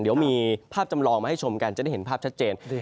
เดี๋ยวมีภาพจำลองมาให้ชมกันจะได้เห็นภาพชัดเจน